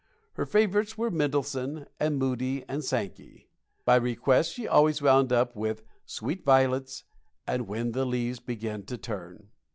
Her favorites were Mendelssohn, and Moody and Sankey. By request she always wound up with "Sweet Violets" and "When the Leaves Begin to Turn."